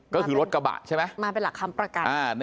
ก็คือรถกระบะใช่ไหมมาเป็นหลักคำประกัน